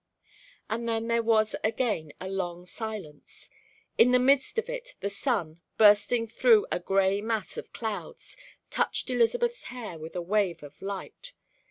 And then there was again a long silence. In the midst of it the sun, bursting through a gray mass of clouds, touched Elizabeth's hair with a wave of light.